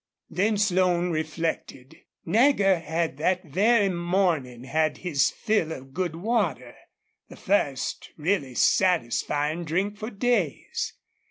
Then Slone reflected. Nagger had that very morning had his fill of good water the first really satisfying drink for days.